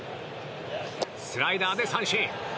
スライダーで三振。